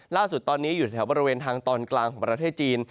ล่าสุดตอนนี้อยู่แถวบริเวณทางตอนกลางของประเทศจีน